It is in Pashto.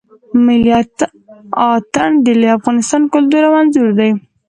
ملی آتڼ د لوی افغانستان کلتور او آنځور دی.